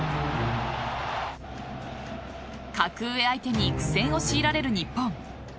格上相手に苦戦をしいられる日本。